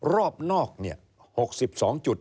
รอบนอก๖๒จุด